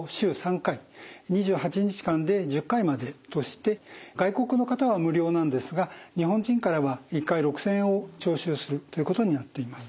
２８日間で１０回までとして外国の方は無料なんですが日本人からは１回６，０００円を徴収するということになっています。